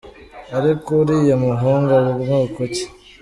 Ariko uriya muhungu aba bwoko ki?